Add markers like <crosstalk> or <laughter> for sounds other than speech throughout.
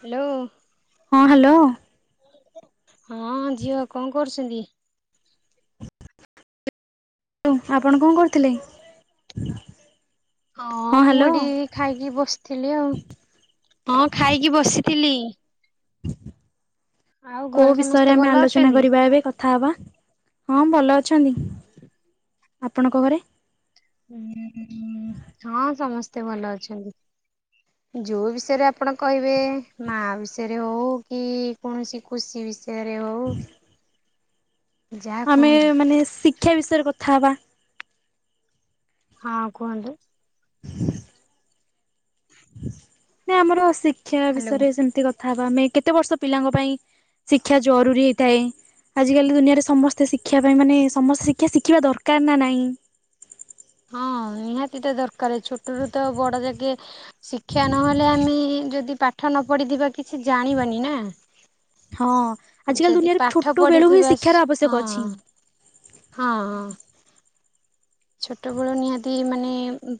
Hello. ହଁ hello ହଁ ଝିଅ କଣ କରୁଛନ୍ତି? ହାଲୋ ଆପଣ କଣ କରୁଥିଲେ? ହଁ ମୁଁ ଏଠି ଖାଇକି ବସିଥିଲି ଆଉ ହଁ ଖାଇକି ବସି ଥିଲି। କୋଉ ବିଷୟରେ ସମସ୍ତେ ଆମେ ଭଲ ଆଲୋଚନା ଅଛନ୍ତି? କରିବା ଏବେ କଥା ହବା ହଁ ଭଲ ଅଛନ୍ତି। ହ ଆପଣଙ୍କ ଘରେ? ସେ ଭଲ ଅଛନ୍ତି। ଯୋଉ ବିଷୟରେ ଆପଣ କହିବେ ମା ବିଷୟରେ ହଉ କି କୌଣସି ଖୁସି ବିଷ ୟରେ ହଉ। ଯାହା ଆମେ କୁହନ୍ତୁ। ମାନେ ଶିକ୍ଷା ବିଷୟରେ କଥା ହବା। ହଁ କୁହନ୍ତୁ। ନା ଆମର ଶିକ୍ଷା ହ୍ୟାଲୋ ବିଷୟରେ ସେମିତି କଥା ହବା ଆମେ କେତେ ବର୍ଷ ପିଲାଙ୍କ ପାଇଁ। ଶିକ୍ଷା ଜରୁରୀ ହେଇଥାଏ। ଆଜ କାଲି ଦୁନିଆରେ ସମସ୍ତେ ଶିକ୍ଷା ପାଇଁ ମାନେ ସମସ୍ତେ ଶିକ୍ଷା ଶିଖିବା ଦରକାର ନା ନାହିଁ। ହଁ ନିହାତି ତ ଦର କାରେ ଛୋଟରୁ ତ ବଡ଼ ଯାକେ ଶିକ୍ଷା ନହେଲେ ଆମେ ଯଦି ପାଠ ନ ପଢିଥିବା କିଛି ଜାଣିବନି ନା। ହଁ ଆ ଆଜିକାଲି ଯଦି ଦୁନିଆରେ ଛୋଟ ପାଠ ବେଳୁ ହିଁ ପଢିଥିବା ଶିକ୍ଷାର ସ ଆବଶ୍ୟକ ଅଛି। ହଁ। ହଁ ହଁ। ଛୋଟବେଳୁ ନିହାତି ମାନେ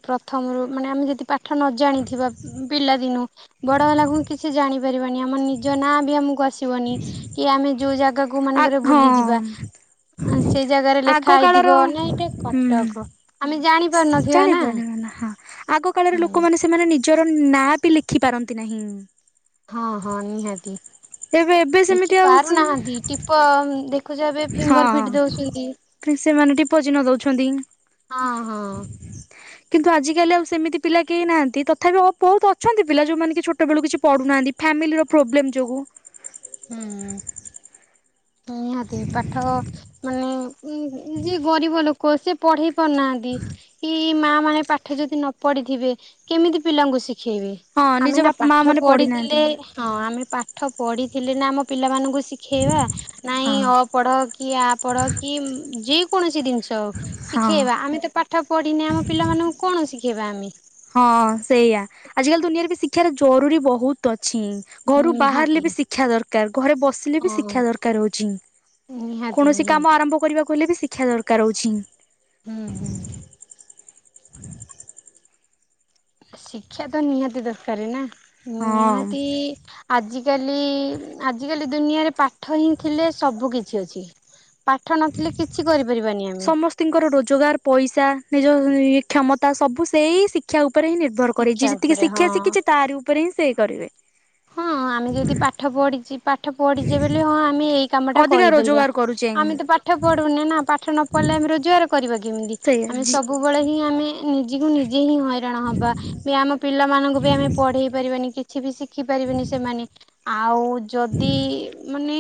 ପ୍ରଥମ ରୁ ମାନେ ଆମେ ଯଦି ପା ଠ ନ ଜାଣିଥିବା ପିଲାଦିନୁ ବଡ ହେଲା କୁ କି ସେ ଜାଣିପାରିବାନି ଆମ ନିଜ ନାଁ ବି ଆମକୁ ଆସିବନି କି ଆମେ ଯୋଉ ଯା ଆ ହଁ ସେ ଜାଗାରେ ଆଗ ଲେଖା କାଳର ହେଇଥିବ ନା ଏଇଟା ହୁଁ କଟକ ଆମେ ଜାଣି ପାରୁନଥିବା ଜାଣିପାରିବ ନା ହଁ ଆଗ କାଳରେ ହୁଁ ଲୋକମାନେ ସେମାନେ ନି ଜର ନାଁ ବି ଲେଖି ପାରନ୍ତି ନାହିଁ। ହଁ ହଁ ନିହାତି ଏବେ ଏବେ ସେମିତି ଲେଖି ଆଉ ପାରୁନାହାନ୍ତି ଟିପ ଦେ ହଁ ସେମାନେ ଟିପ ଚିହ୍ନ ଦଉଛନ୍ତି। ହଁ ହଁ। କିନ୍ତୁ ଆଜିକାଲି ଆଉ ସେମିତି ପିଲା କେହି ନାହାନ୍ତି ତଥାପି ବହୁତ ଅଛନ୍ତି ପିଲା ଯୋଉମାନେ କି ଛୋଟବେଳକୁ କିଛି ପଢୁନାହାନ୍ତି। ଫାମିଲିର ପ୍ରୋବ୍ଲେମ ଯୋଗୁଁ। ହୁଁ ନିହାତି ପାଠ ମାନେ ଯିଏ ଗରିବ ଲୋକ ସେ ପଢେଇ ପାରୁନାହାନ୍ତି କି ମା ମାନେ ପାଠ ଯଦି ନ ପଢ଼ିଥିବେ କେମିତି ପିଲାଙ୍କୁ ଶିଖ ଖେଇ ହଁ ନିଜ ଆମେ ନା ବାପା ମା ପାଠ ମାନେ ପଢିନାହାନ୍ତି ପଢିଥିଲେ ହଁ ଆମେ ପାଠ ପଢିଥିଲେ ନା ଆମ ପିଲାମାନଙ୍କୁ ଶିଖେଇବା ନାଇଁ ହଁ ଅପଢ଼ କି ଆ ପଢ କି ଯେ କୌଣସି ଜିନିଷ ଉ ହଁ। ଶିଖେଇବା ଆମେ ତ ପାଠ ପଢ଼ିନେ ଆମ ପିଲାମାନଙ୍କୁ କଣ ଶିଖେଇବା ଆମେ? ହଁ ସେଇଆ ଆଜିକାଲି ଦୁନିଆରେ ବି ଶିକ୍ଷାାର ଜରୁରୀ ବହୁତ ଅଛି। ଘରୁ ବାହାରିଲେ ନିହାତି ବି ଶିକ୍ଷା ଦରକାର ଘରେ ବସିଲେ ବି ହଁ ଶିକ୍ଷା ଦରକାର ହଉଛି। ନିହାତି କୌଣସି କାମ ନିହାତି ଆରମ୍ଭ କରିବା କଲେ ବି ଶିକ୍ଷା ଦରକାର ହଉଛି। ହୁଁ ହୁଁ। ଶିକ୍ଷା ତ ନିହାତି ଦରକାରୀ ନା ହଁ। ନିହାତି ଆଜି କାଲି ଆଜିିକାଲି ଦୁନିଆରେ ପାଠ ହିଁ ଥିଲେ ସବୁ କିଛି ଅଛି। ପାଠ ନଥିଲେ କିଛି କରିପାରିବାନି ଆମେ ସମସ୍ତିଙ୍କର ରୋଜଗାର ପଇସା ନିଜ କ୍ଷମତା ସବୁ ସେଇ ଶିକ୍ଷାକୁ ଉପରେ ହିଁ ନିର୍ଭର କରିଛି ଯେ ଶିକ୍ଷା ଯେତିକି ଉପରେ ଶିକ୍ଷା ହଁ ଶିଖିଛି ତାରି ଉପରେ ହିଁ ସେ କରିବେ ହଁ ଆମେ ଯଦି ପାଠ ପଢିଚେ ପାଠ ପଢିଛେ ବୋଲି ହଁ ଆମେ ଏଇ କାମଟା ଅଧିକା କରିପାରିବା। ରୋଜଗାର କରୁଛେ ଆମେ ତ ପାଠ ପଢୁନି ନା ପାଠ ନ ପଢିଲେ ଆମେ ରୋଜଗାର କରିବା କେମିତି ସେଇଆ ଆମେ ଜି ସବୁବେଳେ ହିଁ ଆମେ ନିଜକୁ ନିଜେ ହିଁ ହଇରାଣ ହବା ବି ଆମ ପିଲାମାନଙ୍କୁ ବି ଆମେ ପଢେଇ ପାରିବାନି କିଛି ବି ଶ ଶିଖିପାରିବେନି ସେମାନେ ଆଉ ଯଦି ମାନେ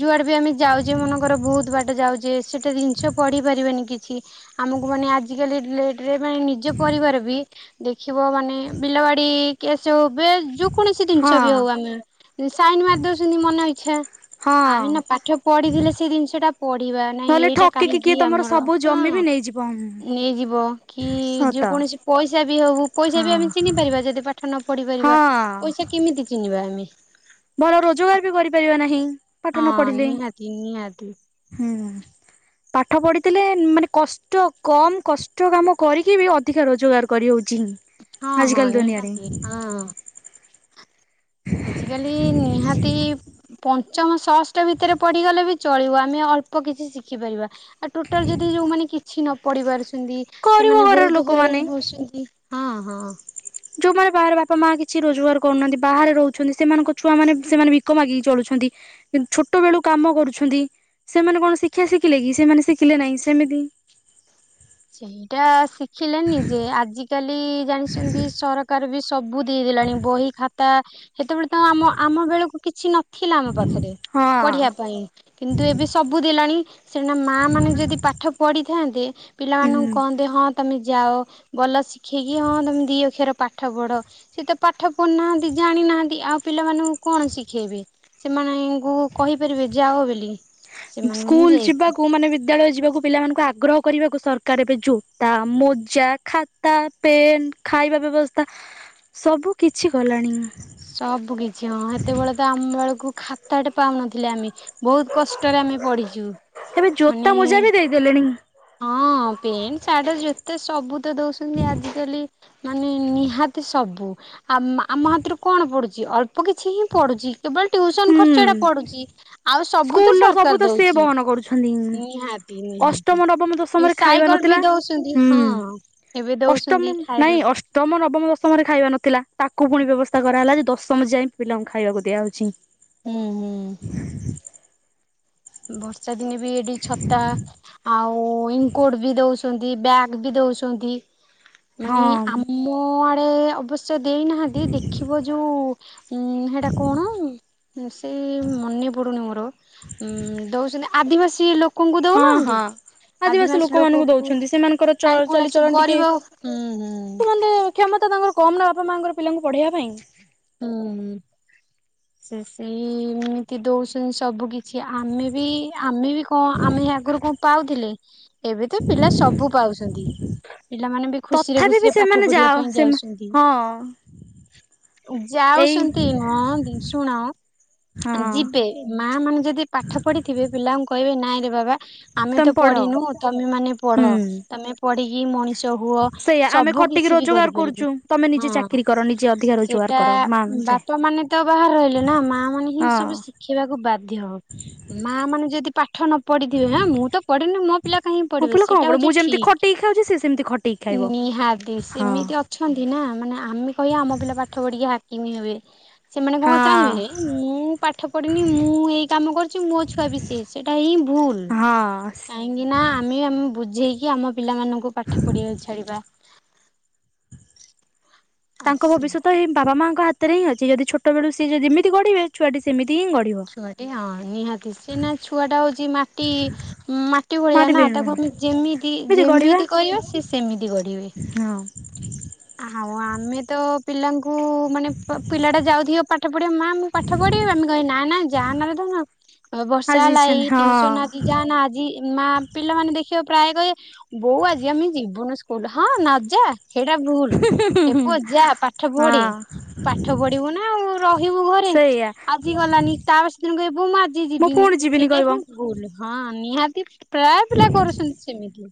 ଯୁଆଡ଼େ ବି ଆମେ ଯାଉଛେ ମନେକର ବହୁତ ବାଟ ଯାଉଛେ ସେଇଟା ଜିନିଷ ପଢ଼ିପାରିବେନି କିଛି ଆମକୁ ମାନେ ଆଜିକାଲି ଡେଟ୍ ରେ ମାନେ ନିଜ ପରିବାର ବି ଦେଖିବ ମାନେ ବିଲବାଡି କିଏ ସେ ହୁଏ କୌଣସି ହଁ ଜିନିଷ ବି ହଉ ଆମେ ସାଇନ ମାରିଦଉଛନ୍ତି ମନ ଇଛା ହଁ ଆମେ ନା ପାଠ ପଢିଥିଲେ ସେଇ ଜିନିଷ ଟା ପଢିବା ନାଇଁ ନହେଲେ ଏଇଟା ଠକିକି କାହିଁକି କିଏ ତମର ଆମର ସବୁ ହଁ ଜମି ବି ନେଇଯିବ ନେଇଯିବ କି? ସତ କୌଣସି ପଇସା ବି ହବ ପଇସା ବି ହଁ ଆମେ ଚିହ୍ନି ପାରିବା ଯଦି ପାଠ ନ ପଢି ପାରିବା ପଇା ହଁ ସେ କେମିତି ଚିହ୍ନିବା ଆମେ? ଭଲ ରୋଜଗାର ବି କରିପାରିବା ନାହିଁ ପାଠ ହଁ ନ ପଢିଲେ ନିହାତି ନିହାତି ହୁଁ। <inaudible> ପାଠ ପଢ଼ିଥିଲେ ମାନେ କଷ୍ଟ କମ କଷ୍ଟ କାମ କରିକି ବି ଅଧିକା ରୋଜଗାର କରିହଉଛି। ହଁ ହଁ ଆଜିକାଲି ଦୁନିଆରେ ନିହାତି ହଁ। ଆଜିକାଲି ନିହାତି ପଞ୍ଚମ ଷଷ୍ଠ ଭିତରେ ପଢଡିିଗଲେ ବି। ଚଳିବ ଆମେ ଅଳ୍ପ କିଛି ଶିଖିପାରିବା ଆଉ ଟୋଟାଲ ଯଦି ଯେଉଁମାନେ କିଛି ନ ପଢ଼ିବାର ଗରିବ ସେମାନେ ଘରର ବହୁତ ଲୋକମାନେ ହଇରାଣ ହଉଛନ୍ତି ହଁ ହଁ। ଯୋଉମାନେ ବାହହାର ବାପା ମା କିଛି ରୋଜଗାର କରୁନାହାନ୍ତି ବାହାରେ ରହୁଛନ୍ତି ସେମାନଙ୍କ ଛୁଆ ମାନେ ସେମାନେ ବିକ ମାଗିକି ଚଳୁଛନ୍ତି। ଛୋଟ ବେଳୁ କାମ କରୁଛନ୍ତି ସେମାନେ କଣ ଶିକ୍ଷା ଶିଖିଲେ କି ସେମାନେ ଶିଖିଲେ ନାହିଁ ସେମତି ହଁ। ସେଇଟା ଶିଖିଲେନି ଯେ ଆଜିକାଲି ଜାଣିଛନ୍ତି ସରକାର ବି ସବୁ ଦେଇଦେଲାଣି ବହି, ଖାତା ସେତେବେଳେ ତ ଆମ ଆମ ବେଳକୁ କିଛି ନଥିଲା ଆମ ପାଖରେ ହଁ ପଢିବା ପାଇଁ କିନ୍ତୁ ଏବେ ସବୁ ଦେଲାଣି ସେଠ ନା ମା ମାନେ ଯଦି ପାଠ ପଢିଥାନ୍ତେ ପିଲାମାନଙ୍କୁ ହୁଁ। କହନ୍ତେ ହଁ ତମେ ଯାଅ, ଭଲ ଶିଖେଇକି ହଁ ତମେ ଦି ଅକ୍ଷର ପାଠ ପଢ଼, ସେ ତ ପାଠ ପଢ଼ୁନାହାଁନ୍ତି ଜାଣିନାହାଁନ୍ତି ଆଉ ପିଲାମାନଙ୍କୁ କଣ ଶିଖେଇବେ, ସେମାନଙ୍କୁ କହିପାରିବେ ଯାଅ ବିଲି ସ୍କୁଲ ଯିବାକୁ ମାନେ ବିଦ୍ୟାଳୟ ଯିବାକୁ ପିଲାମାନଙ୍କୁ ଆଗ୍ରହ କରିବାକୁ ସରକାର ଏବେ ଜୋତା, ମୋଜା, ଖାତା, ପେନ୍, ଖାଇବା ପିଇବା ବ୍ୟବସ୍ଥା ସବୁ କିଛି କଲାଣି। ସବୁ କିଛି ହଁ ସେତେବେଳେ ତ ଆମ ବେଳକୁ ଖାତାଟେ ପାଉନଥିଲେ ଆମେ ବହୁତ କଷ୍ଟରେ ଆମେ ପଢ଼ିଛୁ। ଏବେ ମାନେ ଜୋତା ମୋଜା ବି ଦେଇଦେଲେଣି ହୁଁ। ହଁ ପେଣ୍ଟ, ସାର୍ଟ, ଜୋତା ସବୁ ତ ଦଉଛନ୍ତି ଆଜିକାଲି ମାନେ ନିହାତି ସବୁ ଆ-ଆମ ହାତରୁ କଣ ପଡୁଛି ଅଳ୍ପ କିଛି ହିଁ ପଡୁଛି କେବଳ ଟ୍ୟୁସନ ଖର୍ଚ୍ଚ ଟା ପଡୁଛି ଆଉ ସବୁ ତ ସରକାର ଦଉଛି। ନିଁ ନିହାତି ଅଷ୍ଟମ ନିହାତି ନବ ବମ ଦଶମରେ ଖାଇବା ସାଇକେଲ ନଥିଲା ବି ଦଉଛନ୍ତି ହୁଁ। ହଁ ଏବେ ଅଷ୍ଟମ ଦଉଛନ୍ତି ନାଇଁ ଖାଇବାକୁ ଅଷ୍ଟମ, ନବମ, ଦଶମ ଦଶମରେ ଖାଇବା ନଥିଲା ତାକୁ ପୁଣି ବ୍ୟବସ୍ଥା କରାହେଲା ଯେ ଦଶମ ଯାଇ ପିଲାଙ୍କୁ ଖାଇବାକୁ ଦିଆହଉଛି। ହୁଁ ହୁଁ। ବର୍ଷାଦିନେ ବି ଏଠି ଛତା ଆଉ ଇନକୋଡ ବି ଦଉଛି ଚନ୍ତି, ବ୍ୟାଗ୍ ବି ଦଉଛନ୍ତି, ହଁ ମାନେ ଆମ ଆଡେ ସେ ଦେଇନାହାଁନ୍ତି ଦେଖିବ ଯୋଉ, ଉମ୍ ସେଇଟା କଣ? ସେ ମନେ ପଡୁନି ମୋର ଉମ୍ ଦଉଛନ୍ତି ଆଦିବାସୀ ଲୋକ କଙ୍କୁ ହଁ ଦଉନାହାଁନ୍ତି ହଁ। ଆଦିବାସୀ ଲୋକମାନଙ୍କୁ ଦଉଛନ୍ତି, ସେମାନଙ୍କର ଚ ତାଙ୍କୁ ନା ସେ ଚାଲିଚଳନ ଟିକେ ଗରିବ ହୁଁ ହୁଁ ସେମାନେ କ୍ଷମତା ତାଙ୍କର କମ୍ ନା ବାପା ମାଆଙ୍କର ପିଲାଙ୍କୁ ପଢେଇବା ପାଇଁ ହୁଁ ସେ ସେଇ ଏମିତି ଦଉଛନ୍ତି ସବୁକିଛି, ଆମେ ବି ଆମେ ବି କଣ ଆମେ ଆଗୁ ରୁ କଣ ପାଉଥିଲେ, ଏବେ ତ ପିଲା ସବୁ ପାଉଛନ୍ତି। ପିଲାମାନେ ବି ଖୁସିରେ ତଥାପି ବି ଖୁସିରେ ପାଠ ସେମାନେ ଯାଅ ପଢିବା ପାଇଁ ସେ ଯାଉଛନ୍ତି। ହଁ <inaudible> ଏଇ ଯାଉଛନ୍ତି ନୁହଁନ୍ତି ଶୁଣ ହଁ ଯିବେ, ମାଆମାନେ ଯଦି ପାଠ ପଢିଥିବେ, ପିଲାଙ୍କୁ କହିବେ ନାଇଁ ରେ ବାବା ଆମେ ତମେ ତ ପଢ ପଢିନୁ, ତମେ ମାନେ ପଢ, ହୁଁ। ତମେ ପଢିକି ମଣି ଷ ହୁଅ, ସେଇଆ ଆମେ ଖଟିକି ସବୁକିଛି ବି ରୋଜଗାର କରୁଛୁ କରିପାରିବେ ତମେ ନିଜେ ହଁ। ଚାକିରି କର ନିଜେ ଅଧିକା ରୋଜଗାର ସେଇଟା କର ମା ଚେ ବାପା ମାନେ ତ ବାହାର ରହିଲେ ନା ମାଆମାନେ ହିଁ ହଁ ସବୁ ଶିଖେଇବାକୁ ବାଧ୍ୟ। ମାଆମାନେ ଯଦି ପାଠ ପାଠ ନ ପଢିଥିବେ ହେଁ ମୁଁ ତ ପଢିନି ମୋ ପିଲା କାହିଁକି ମୋ ପଢିବେ, ପିଲା କଣ ସେଟା ପଡେ ହଉଛି ମୁଁ ଯେମିତି ଠିକ। ଖଟେଇକି ଖାଉଛି ସେ ସେମିତି ଖଟେଇକି ଖାଇବ ନିହାତି ହଁ ସେମିତି ଅଛନ୍ତି ନା ମାନେ ଆମେ କହିବା ଆମ ପିଲା ପାଠ କିମି ହୁଏ। ସେମାନେ କଣ ହଁ ଚାହିଁବେ, ମୁଁ ପାଠ ପଢିନି ମୁଁ ଏଇ କାମ କରୁଚି, ମୋ ଛୁଆ ବି ସେଇ ସେଇଟା ହିଁ ଭୁଲ। ହଁ କାହିଁକିନା ଆମେ ଆମ ବୁଝେଇକି ଆମ ପିଲାମାନଙ୍କୁ ପାଠ ପଢିବାକୁ ଛାଡିବା ଆଉ ତାଙ୍କ ଭବିଷ୍ୟତ ସେମିତି ଏଇ ବାବା ମାଆଙ୍କ ହାତରେ ହିଁ ଅଛି। ଯଦି ଛୋଟବେଳୁ ସିଏ ଯେମିତି ଗଢିବେ ଛୁଆଟି ସେମିତି ହିଁ ଗଢିବ ଛୁଆଟି ହଁ ନିହାତି ସେ ନା ଛୁଆଟା ହଉଛି ମାଟି ମାଟି ଭଳିଆ ମାରିବେ ନା ତାକୁ ଏମିତି ଆମେ ଯେମିତି ଗଢିବା ଯେମିତି କରିବ ସିଏ ସେମିତି ଗଢ଼ିବେ। ହଁ। ହଉ ଆମେ ତ ପିଲାଙ୍କୁ ହଁ ମାନେ ପିଲାଟା ଯାଉଥିବ ପାଠ ପଢିବ ମାଆ ମୁଁ ପାଠ ପଢିବି, ଆମେ କହିବେ ନା ନା ଯାଆନା ଲୋ ଧନ ଆ ବର୍ଷା ଆଜି ହେଲା ଇଚ୍ଛା ଏଇ ନାହିଁ ଟ୍ୟୁସନ ଆଜି ହଁ ଯାଆନା ଆଜି ମା ପିଲାମାନେ ଦେଖ ଦେ ପ୍ରାୟ କହିବେ ବୋଉ ଆଜି ଆମେ ଯିବୁନୁ ସ୍କୁଲ୍। ହଁ ନ ଯା। ପୁରା ଭୁଲ୍ ହୁଁ ଏପ ଯା ପାଠ ପଢେ। ହଁ ପାଠ ପଢିବୁ ନା ଆଉ ରହିବୁ ଘରେ। ସେଇଆ ଆଜି ଗଲାନି ତାପ ସେଦିନ କହିବୁ ମୁଁ ଆଜି ଯିବିନି। ସେଇଟା ହି ଭୁଲ ହଁ ନିହାତି ମ୍ତି ପ୍ରାୟେ ପିଲା କରୁଛନ୍ତି ସେମିତି।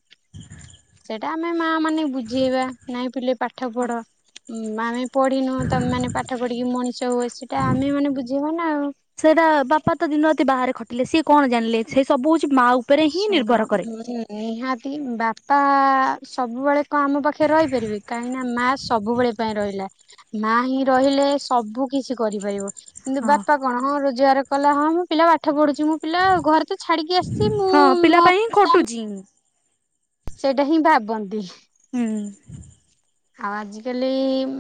ସେଇଟା ଆମେ ମା ମାନେ ବୁଝେଇବା। ନାଇଁ ପିଲେ ପାଠ ପଢ। ଆମେ ପଢିନୁ ତମେ ମାନେ ପାଠ ପଢିକି ମଣିଷ ହୁଅ। ସେଟା ଆମେ ମାନେ ବୁଝେଇବା ନା ଆଉ। ସେଇଟା ବାପା ତ ଦିନ ରାତି ବାହାରେ ଖଟିଲେ। ସିଏ କଣ ଜାଣିଲେ ସେ ସବୁ ମା ଉପରେ ହିଁ ନିର୍ଭର ଶୁଣ କରେ ନିହାତି ବାପା ସବୁବେଳେ କଣ ଆମ ପାଖରେ ରହିପାରିବେ। କାହିଁକି ନା ମା ସବୁବେଳେ ପାଇଁ ରହିଲା। ମା ହିଁ ର କହିଲେ ସବୁ କିଛି କରିପାରିବ। କିନ୍ତୁ ହଁ ବାପା କଣ ହଁ ରୋଜଗାର କଲା ହଁ ମୁଁ ପିଲା ପାଠ ପଢୁଛି। ମୁଁ ପିଲା ଘରେ ତ ଛାଡିକି ଆସିଛି। ମୁଁ ହଁ ପିଲା ମୋ ପାଇଁ ହିଁ ଖଟୁଛି ମୁଁ। ସେଇଟା ହିଁ ଭାବନ୍ତି। ହୁଁ। ଆଉ ଆଜିକାଲି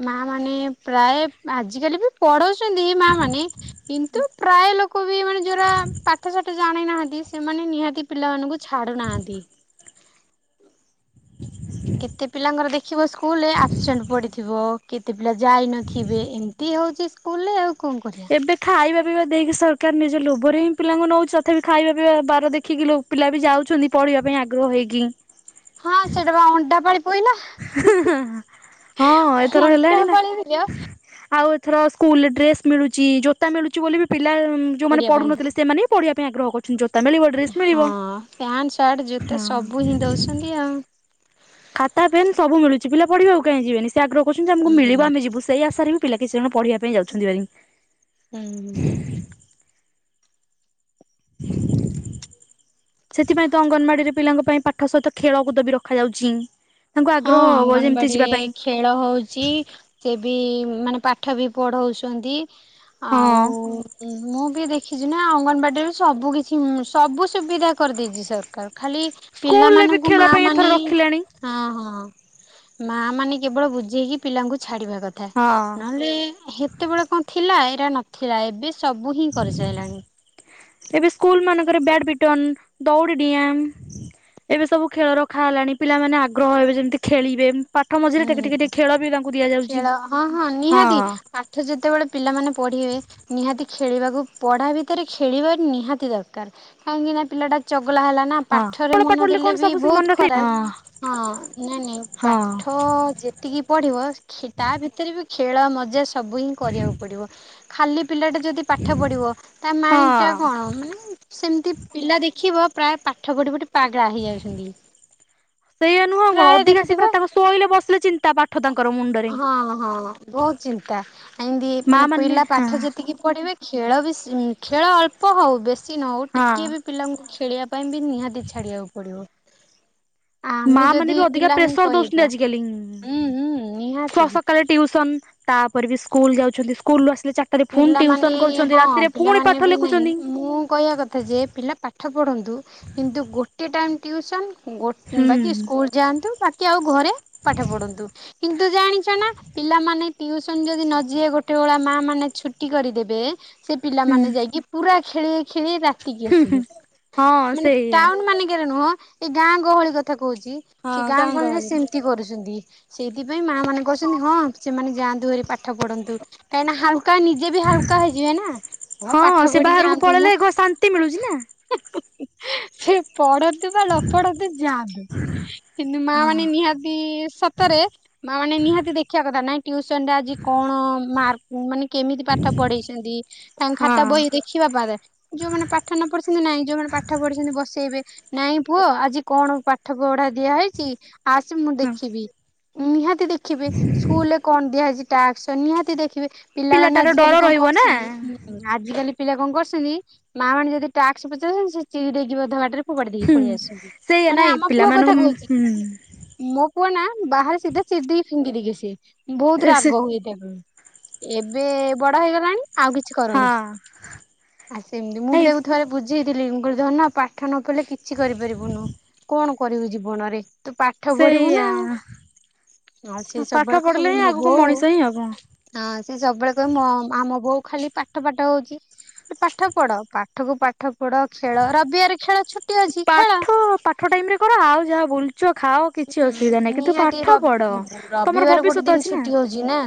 ମା ମାନେ ପ୍ରାୟ ଆଜିକାଲି ବି ପଢୋ ଚିନ୍ତି ମା ମାନେ କିନ୍ତୁ ପ୍ରାୟ ଲୋକ ବି ମାନେ ଯୋଉରା ପାଠସାଠ ଜାଣି ନାହାନ୍ତି। ସେମାନେ ନିହାତି ପିଲାମାନଙ୍କୁ ଛାଡୁନାହାନ୍ତି। କେତେ ପିଲାଙ୍କର ଦେଖିବ ସ୍କୁଲରେ ଆବସେଣ୍ଟ ପଡିଥିବ। କେତେ ପିଲା ଯାଇନଥିବେ। ଏମିତି ହଉଛି ସ୍କୁଲରେ ଆଉ। କଣ କରିବା ଏବେ ଖାଇବା ପିଇବା ଦେଇକି ସର୍ କାର୍ ନିଜ ଲୋଭରେ ହିଁ ପିଲାଙ୍କୁ ନଉଛି। ତଥାପି ଖାଇବା ପିଇବା ବାର ଦେଖିକି ପିଲା ବି ଯାଉଛନ୍ତି ପଢିବା ପାଇଁ ଆଗ୍ରହ ହେଇକି। ହଁ ସେଇଟା ବା ଅଣ୍ଡା ପାଳି। ପଇଲା ହଁ ଏଥର ଅଣ୍ଟା ହେଲାଣି ନା। ପାଳି ପିଲା ଆଉ ଥର ସ୍କୁଲ ଡ୍ରେସ୍ ମିଳୁଛି। ଜୋତା ମିଳୁଛି ବୋଲି ବି ପିଲା ଯୋଉମାନେ ପଡିଆ ପାଇଁ ପଢୁନଥିଲେ ସେମାନେ ପଢିବା ପାଇଁ ଆଗହ କରୁଛନ୍ତି। ଜ ମିଳିବ ଡ୍ରେସ୍ ହଁ ମିଳିବ। ପ୍ୟାଣ୍ଟ ସାର୍ଟ ଜୋତା ସବୁ ହିଁ ଦଉଛନ୍ତି ଆଉ ଖାତା ପେନ୍ ସବୁ ମିଳୁଛି। ପିଲା ପଢିବାକୁ କାଇଁ ଯିବେନି। ସେ ଆଗ୍ରହ କରୁଛନ୍ତି ଆମକୁ ହୁଁ। ମିଳିବ ଆମେ ଯିବୁ। ସେଇ ଆଶାରି ହିଁ ପିଲା କିଛି ଜଣ ପଢିବା ପାଇଁ ଯାଉଛନ୍ତି ଭାରି। ହୁଁ ହୁଁ। ସେଥିପାଇଁ ତ ଅଙ୍ଗନବାଡିରେ ପିଲାଙ୍କ ପାଇଁ ପାଠ ସହିତ ଖେଳକୁଦ ବି ରଖାଯାଉଛି। ତାଙ୍କୁ ହଁ ଆଗ୍ରହ ହବ ଯେମିତି ଯିବା ଅଙ୍ଗନବାଡିରେ ପାଇଁ ଖେଳ ହଉଛି। ସେ ବି ମାନେ ପାଠ ବି ପଢଉଛନ୍ତି। ହଁ ଆଉ ମୁଁ ବି ଦେଖିଛି ନା ଅଙ୍ଗନବାଡିରୁ ସବୁ କିିଛି ସବୁ ସୁବିଧା କରିଦେଇଛି ସରକାର। ଖାଲି ସ୍କୁଲରେ ବି ପିଲାମାନଙ୍କୁ ଖେଳ ମା ପାଇଁ ଏଥର ମାନେ ରଖିଲେଣି। ହଁ ହଁ। ହଁ ମା ମାନେ କେବଳ ବୁଝେଇକି ପିଲାଙ୍କୁ ଛା ଛାଡିବା କଥା ହଁ ନହେଲେ ସେତେବେଳେ କଣ ଥିଲା। ଏରା ନଥିଲା ଏବେ ସବୁ ହିଁ କରିସାରିଲାଣି ଏବେ ସ୍କୁଲ୍ ମାନଙ୍କରେ ବ୍ୟାଡ ମି ଟ ଦୌଡି ଡିଆଁ। ଏବେ ସବୁ ଖେଳ ରଖା ହେଲାଣି। ପିଲାମାନେ ଆଗ୍ରହ ହେବେ ଯେମିତି ଖେଳିବେ। ପାଠ ମଝିରେ ଟିକେ ହୁଁ। ଟିକେ ଟିକେ ଖେଳ ପ ଖେଳ ହଁ ହଁ ନିହାତି ପାଠ ଯେତେବେଳେ ପିଲାମାନେ ପଢିବେ ନିହାତି ଖେଳିବାକୁ ପଢା ଭିତରେ ଖେଳିବା ନିହାତି ଦରକାର। କାହିଁକିନା ପିଲାଟା ଚ ଗଲା ହେଲା ନା। ହଁ ପାଠରେ କଣ ପାଠ ମନ ପଢିଲେ ଦେଲେ କଣ ବି ସବୁ ସେ ମନେ ବହୁତ ରଖିବେ ହଁ ଖରାପ ହଁ ନାଇଁ ନାଇଁ। ପା ହଁ ପାଠ ଯେତିକି ପଢିବ ତା ଭିତରେ ବି ଖେଳ ମଜା ସବୁ ହିଁ କରିବାକୁ ପଡିବ। ଖାଲି ପିଲାଟା ଯଦି ପାଠ ପଢିବ। ତା ହଁ। ମାଇଣ୍ଡ୍ ଟା କଣ ମାନେ ସେମିତି ପିଲା ଦେଖିବ। ପ୍ରାୟ ପାଠ ପଢି ପଟେ ପାଗେଳା ହେଇ ଯାଉଛନ୍ତି। ସେଇଆ ନୁହଁ କଣ ପ୍ରାୟେ ଅଧିକା ସେ ପୁରା ଦେଖିଥିବେ। ତାଙ୍କ ଶୋଇଲେ ବସିଲେ ଚିନ୍ତା ପାଠ ତାଙ୍କର ମୁଁ ହଁ ହଁ ବହୁତ ଚିନ୍ତା। ଏମିତି ମା ମାନେ ପିଲା ହଁ ପାଠ ଯେତିକି ପଢିବେ ଖେଳ ବେ ଖେଳ ଅଳ୍ପ ହଉ। ବେଶ୍ ଚି ନ ହଉ ହଁ। ଟିକେ ବି ପିଲାଙ୍କୁ ଖେଳିବା ପାଇଁ ବି ନିହାତି ଛାଡିବାକୁ ପଡିବ। ମା ଆମେ ମାନେ ଯଦି ବି ଅଧିକା ପିଲାଙ୍କୁ ପ୍ରେସର ଦଉଛନ୍ତି କହିବା ଆଜିକାଲି। ହୁଁ ହୁଁ ନିହାତି ସକାଳେ ଟ୍ୟୁସନ ତାପରେ ବି ସ୍କୁଲ ଯାଉଛନ୍ତି ସ୍କୁଲ ଆ ପିଲାମାନେ ହଁ ପୁଣି ପାଠ ପିଲାମାନେ ବି ନାଇଁ ଲେଖୁଛନ୍ତି। ମୁଁ କହିବା କଥା ଯେ ପିଲା ପାଠ ପଢନ୍ତୁ କିନ୍ତୁ ଗୋଟେ ଟାଇମ ଟ୍ୟୁସନ୍। ହୁଁ ବାକି ସ୍କୁଲ ଯାଆନ୍ତୁ ବାକି ଆଉ ଘରେ ପାଠ ପଢ଼ନ୍ତୁ କିନ୍ତୁ ଜାଣିଛ ନା ପିଲାମାନେ ଟ୍ୟୁସନ୍ ଯଦି ନ ଯିବେ ଗୋଟେ ଭଳା ମାଆ ମାନେ ଛୁଟି କରିଦେବେ ସେ ହୁଁ ପିଲାମାନେ ଯାଇକି ପୁରା ଖେଳି ଖେଳି ରା ତିକି ଆସିବି ହଁ ମାନେ ସେଇଆ। ଟାଉନ ମାନଙ୍କରେ ନୁହଁ ଏଇ ଗାଁ ଗହଳି କଥା କହୁଛି। ସେ ଗାଁ ଗହଳିରେ ସେମତି କରୁଛନ୍ତି। ସେଇଥିପାଇଁ ମା ମାନେ କହୁଛନ୍ତି ହଁ ସେମାନେ ଯାଆନ୍ତୁହରେ ପାଠ ପଢନ୍ତୁ କାହିଁକି ନା ହାଲକା ନିଜେ ବି ହାଲକା ହେଇଯିବେ ନା କଣ ହଁ ପାଠ ସେ ପଢି ବାହାରକୁ ଯାଆନ୍ତୁ ପଳେଇଲେ ମ ଘ ଶାନ୍ତି ମିଳୁଛି ନା। ସେ ପଢନ୍ତୁ ବା ନ ପଢନ୍ତୁ ଯାଆନ୍ତୁ କିନ୍ତୁ ମା ହଁ ମାନେ ନିହାତି ସତରେ ମାନେ ନିହାତି ଦେଖିବା କଥା ନାଇଁ ଟ୍ୟୁସନ ରେ ଆଜି କଣ ମାର୍କ ମାନେ କେମିତି ପାଠ ପଢେଇଛନ୍ତି ତାଙ୍କ ଖାତା ହଁ ବହି ଦେଖିବା ପା ଯୋଉମାନେ ପାଠ ନ ପଢିଛନ୍ତି ନାହିଁ ଯୋଉମାନେ ପାଠ ପଢିଛନ୍ତି ବସେଇବେ ନାଇଁ ପୁଅ ଆଜି କଣ ପାଠ ପଢା ଦିଆ ହେଇଛି ଆସ ମୁଁ ହଁ ଦେଖିବି ନିହାତି ଦେଖିବେ ସ୍କୁଲ ରେ କଣ ଦିଆହାଇଛି ଟାସ୍କ୍ ନିହାତି ଦେଖିବେ। ପିଲାମାନୋନ ପିଲାଟାର ଡର ଆଜିକାଲି କଣ ରହିବ ନା କରୁଛନ୍ତି ଆଜିକାଲି ପିଲା କଣ କରୁଛନ୍ତି ମା ମାନେ ଯଦି ଟାକ୍ସ ପଚାରୁଛନ୍ତି ସେ ଚିରିଡକି ଅଧା ବାଟରେ କଡେଖି ହୁଁ। ପଳେଇ ଆସ ସେଇଆ ମାନେ ନାଇଁ ଆମ ପୁଅ ପିଲାମାନଙ୍କୁ କଥା କହୁଛି ହୁଁ ମୋ ପୁଅ ନା ବାହାରେ ସିଧା ସିଧି ଫିଙ୍ଗି ଦିକେ ସେ ବହୁତ ସେ ରାଗ ହୁଏ ତାକୁ। ଏବେ ବଡ଼ ହେଇଗଲାଣି। ଆଉ କିଛି ହଁ କରୁନି ଆ ସେମିତି ମୁଁ ବି ନାଇଁ ତାକୁ ଥିବରେ ବୁଝି ଧନ ପାଠ ନ ପଢିଲେ କିଛି କରିପାରିବୁନୁ କଣ କରିବୁ ଜୀବନରେ? ତୁ ପାଠ ପଢିବୁ ସେଇଆ ନା ଆଉ ଆଉ ସେ ପାଠ ସବୁବେଳେ କହ ପଢିଲେ ହିଁ ମୋ ଆଗକୁ ବୋଉ ମଣିଷ ହିଁ ହବ। ହଁ ସେ ସବୁବେଳେ କହ ମ ଆମ ବୋଉ ଖାଲି ପାଠ ପାଠ ହଉଛି ପାଠ ପଢ ପାଠ କୁ ପାଠ ପୋଡ ଖେଳ ରବିବାର ଖେଳ ଛୁଟି ଅଛି ଖେଳ। ପାଠ ପାଠ ଟାଇମ ରେ ଆଉ ଯାହା ବୁଲ ହଁ ନିହାତି ପଢ। ତମର ରବିବାର ଗୋଟେ ଭବିଷ୍ୟତ ଦିନ ଅଛି ନା ଛୁଟି ହଉଛି ନା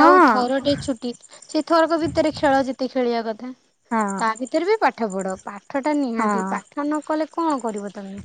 ହଁ ଆଉ ଥର ଟେ ଛୁଟି ସେଇ ଥରକ ଭିତରେ ଖେଳ ଯେତେ ଖେଳିବା କଥା। ହଁ ତା ଭିତରେ ବି ପାଠ ପଢ। ପାଠଟା ନିହାତି ହଁ। ପାଠ ନ କଲେ କଣ କରିବ ତମେ?